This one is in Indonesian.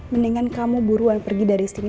mendingan kamu buruan pergi dari istri